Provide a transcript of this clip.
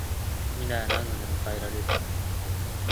未来は何度でも変えられる